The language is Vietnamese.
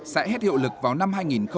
sẽ hết hiệu lực vào năm hai nghìn hai mươi